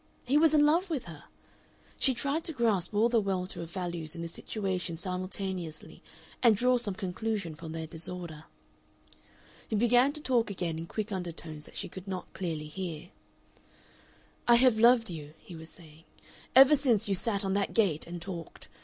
He was in love with her! She tried to grasp all the welter of values in the situation simultaneously, and draw some conclusion from their disorder. He began to talk again in quick undertones that she could not clearly hear. "I have loved you," he was saying, "ever since you sat on that gate and talked.